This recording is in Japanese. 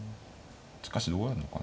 しかしどうやるのかな。